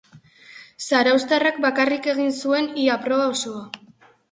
Zarauztarrak bakarrik egin zuen ia proba osoa.